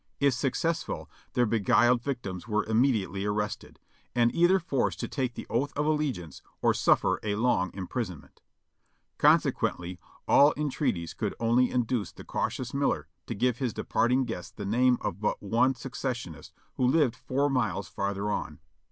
If suc cessful their beguiled victims were immediately arrested, and either forced to take the oath of allegiance or suffer a long impris onment. Consequently all entreaties could only induce the cau tious miller to give his departing guest the name of but one Seces sionist who lived four miles farther on.